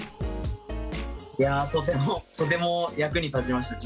いやとてもとても役に立ちました。